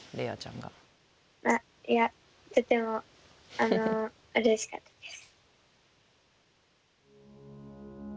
あっいやとてもうれしかったです。